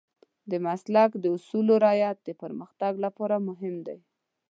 د مسلک د اصولو رعایت د پرمختګ لپاره مهم دی.